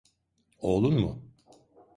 Oğlun mu?